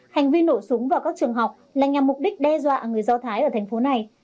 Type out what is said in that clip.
hành vi nổ súng vào các trường học là nhằm mục đích đe dọa người do thái ở thành phố này